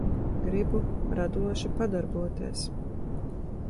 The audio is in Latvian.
Gribu radoši padarboties.